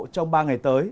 trong ba ngày tới